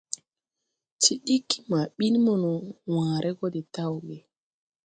Ti ɗiggi ma ɓin mono, wããre gɔ de tawge.